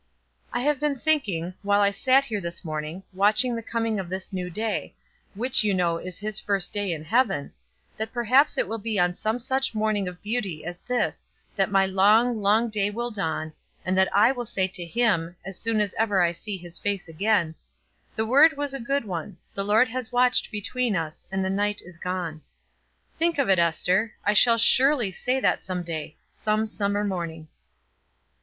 I have been thinking, while I sat here this morning, watching the coming of this new day, which you know is his first day in heaven, that perhaps it will be on some such morning of beauty as this that my long, long day will dawn, and that I will say to him, as soon as ever I see his face again: 'The word was a good one; the Lord has watched between us, and the night is gone.' Think of it, Ester. I shall surely say that some day 'some summer morning.'"